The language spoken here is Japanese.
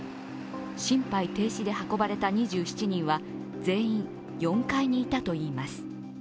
心肺停止で運ばれた２７人は全員４階にいたといいます。